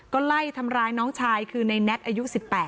ก็ไล่ทำร้ายน้องชายคือในแน็ตอายุ๑๘